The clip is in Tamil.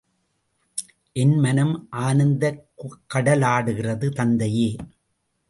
என் மனம் ஆனந்தக் கடலாடுகிறது, தந்தையே!..